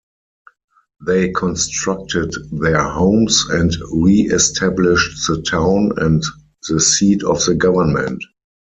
They constructed their homes and reestablished the town and the seat of the government.